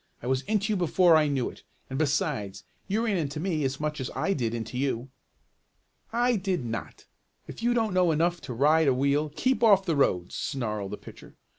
"I was into you before I knew it. And besides, you ran into me as much as I did into you." "I did not. If you don't know enough to ride a wheel, keep off the roads!" snarled the pitcher.